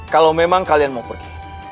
kalau memang kalian mau pergi